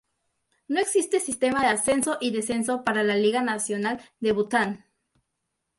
No existe sistema de ascenso y descenso para la Liga Nacional de Bután.